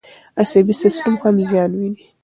عصبي سیستم هم زیان ویني.